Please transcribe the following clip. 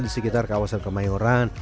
di sekitar kawasan kemayoran